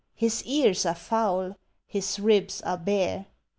"His ears are foul!" "His ribs are bare!"